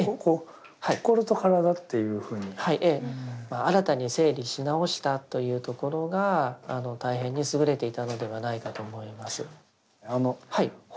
新たに整理し直したというところが大変に優れていたのではないかと思います。